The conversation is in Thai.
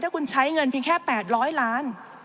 คุณใช้เงินเพียงแค่๘๐๐ล้าน